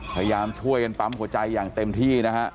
พยายามช่วยกันปั๊มหัวใจอย่างเต็มที่นะฮะ